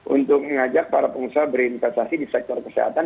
untuk mengajak para pengusaha berinvestasi di sektor kesehatan